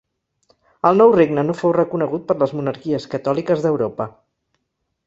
El nou regne no fou reconegut per les monarquies catòliques d'Europa.